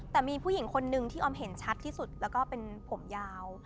แต่มีผู้หญิงคนนึงที่ออมเห็นชัดที่สุดแล้วก็เป็นผมยาว